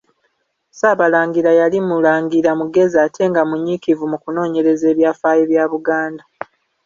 Ssaabalangira yali Mulangira mugezi ate nga munyiikivu mu kunoonyereza ebyafaayo bya Buganda.